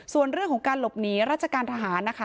ส่วนเรื่องของการหลบหนีราชการทหารนะคะ